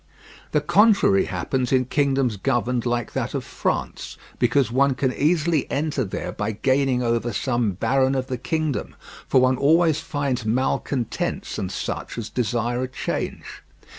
The contrary happens in kingdoms governed like that of France, because one can easily enter there by gaining over some baron of the kingdom, for one always finds malcontents and such as desire a change.